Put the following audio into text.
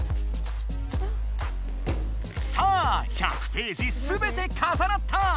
さあ１００ページすべてかさなった！